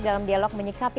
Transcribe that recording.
dalam dialog menyikapi